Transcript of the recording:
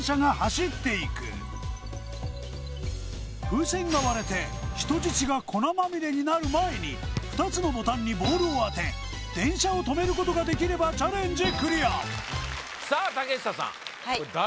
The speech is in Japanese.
風船が割れて人質が粉まみれになる前に２つのボタンにボールを当て電車をとめることができればチャレンジ